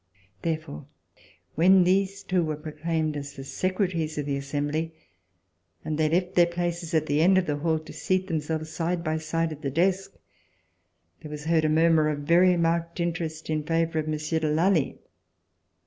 Therefore when these two were proclaimed as the Secretaries of the Assembly, and they left their places at the end of the hall to seat themselves side by side at the desk, there was heard a murmur of very marked interest in favor of Monsieur de Lally.